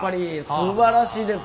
すばらしいです。